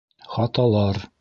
Хаталар